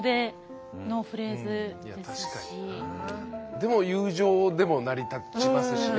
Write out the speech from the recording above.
でも友情でも成り立ちますしね。